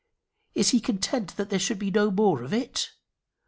Is he content that there should be no more of it?